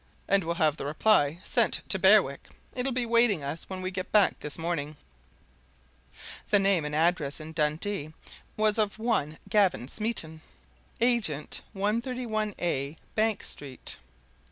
And we'll have the reply sent to Berwick it'll be waiting us when we get back this morning." The name and address in Dundee was of one Gavin Smeaton, Agent, 131A Bank Street.